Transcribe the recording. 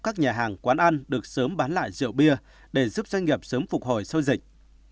các nhà hàng quán ăn được sớm bán lại rượu bia để giúp doanh nghiệp sớm phục hồi sau dịch